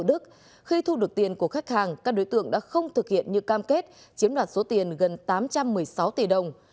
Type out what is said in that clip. đức khi thu được tiền của khách hàng các đối tượng đã không thực hiện như cam kết chiếm đoạt số tiền gần tám trăm một mươi sáu tỷ đồng